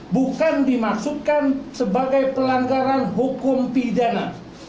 bukan dimaksudkan sebagai pelanggaran hukum pidana